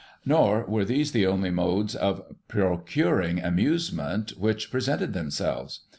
" Nor were these the only modes of procuring amusement which presented themselves.